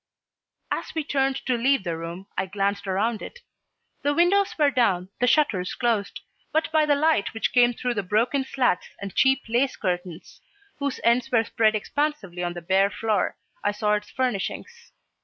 As we turned to leave the room I glanced around it. The windows were down, the shutters closed, but by the light which came through the broken slats and cheap lace curtains, whose ends were spread expansively on the bare floor, I saw its furnishings.